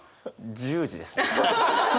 １０時ですね。